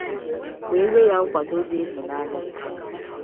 wee nye ya nkwado dị ịtụnanya